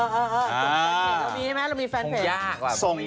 เออเออเนี่ยเหมือนกันไม๊เรามีแฟนเพจนะวะกลัวตังคุณพี่นี่ต้องดู